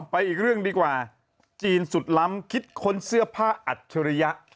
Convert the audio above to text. อีกเรื่องดีกว่าจีนสุดล้ำคิดค้นเสื้อผ้าอัจฉริยะ